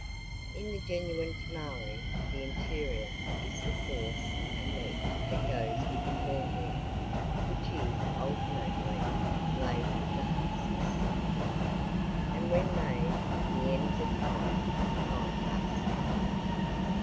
In the genuine tamale the interior is the sauce and meat that goes with the corn meal which is alternately laid with the husks, and when made the ends are tied with fine husk.